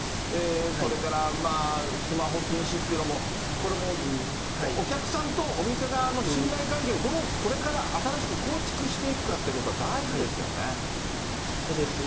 それからまあ、スマホ禁止っていうのも、これもお客さんとお店側の信頼関係をどうこれから新しく構築してそうですね。